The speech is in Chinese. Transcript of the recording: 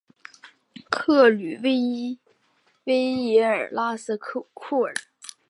克吕维耶尔拉斯库尔。